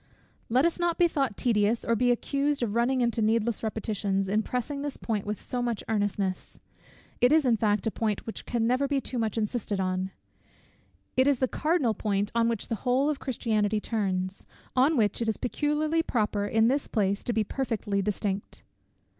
Let us not be thought tedious, or be accused of running into needless repetitions, in pressing this point with so much earnestness. It is in fact a point which can never be too much insisted on. It is the cardinal point on which the whole of Christianity turns; on which it is peculiarly proper in this place to be perfectly distinct.